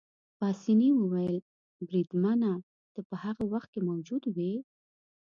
پاسیني وویل: بریدمنه، ته په هغه وخت کې موجود وې؟